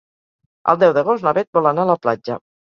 El deu d'agost na Beth vol anar a la platja.